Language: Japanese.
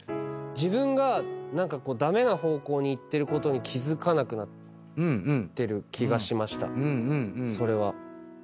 自分が何か駄目な方向に行ってることに気付かなくなってる気がしましたそれは。